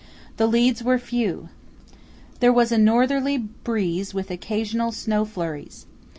The leads were few. There was a northerly breeze with occasional snow flurries.